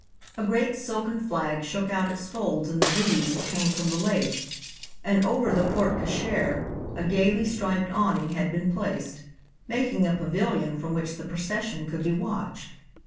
A great silken flag shook out its folds in the breeze that came from the lake, and over the porte cochère a gaily striped awning had been placed, making a pavilion from which the procession could be watched.